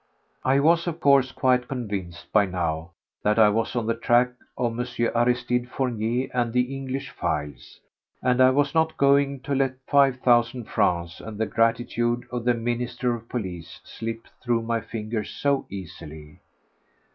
I was, of course, quite convinced by now that I was on the track of M. Aristide Fournier and the English files, and I was not going to let five thousand francs and the gratitude of the Minister of Police slip through my fingers so easily.